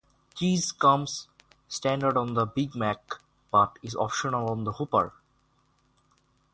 Cheese comes standard on the Big Mac, but is optional on the Whopper.